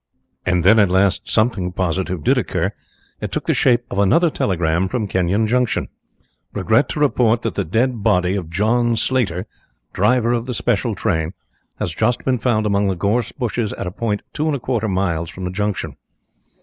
And then at last something positive did occur. It took the shape of another telegram from Kenyon Junction. "Regret to report that the dead body of John Slater, driver of the special train, has just been found among the gorse bushes at a point two and a quarter miles from the Junction.